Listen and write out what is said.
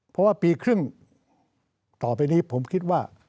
เพราะว่าปีครึ่งต่อไปนี้ผมคิดว่า